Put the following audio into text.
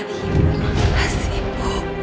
terima kasih bu